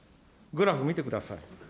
グラフ見てください。